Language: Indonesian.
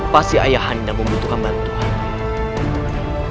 pasti ayah handa membutuhkan bantuan